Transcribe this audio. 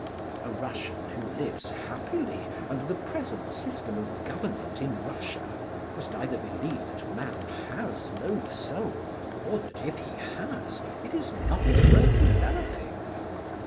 A Russian who lives happily under the present system of government in Russia must either believe that man has no soul, or that, if he has, it is not worth developing.